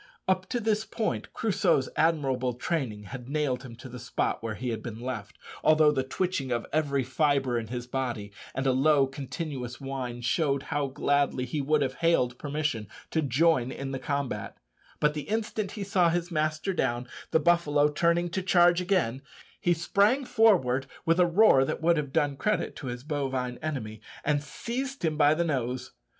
Up to this point Crusoe's admirable training had nailed him to the spot where he had been left, although the twitching of every fibre in his body and a low continuous whine showed how gladly he would have hailed permission to join in the combat; but the instant he saw his master down, and the buffalo turning to charge again, he sprang forward with a roar that would have done credit to his bovine enemy, and seized him by the nose.